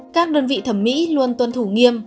các đơn vị thẩm mỹ luôn tuân thủ nghiêm